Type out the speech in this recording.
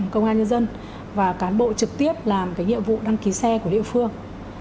công an nhân dân và cán bộ trực tiếp làm cái nhiệm vụ đăng ký xe của địa phương